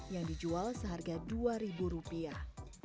yang dijual seharga dua ribu rupiah